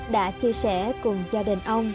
đã chia sẻ cùng gia đình ông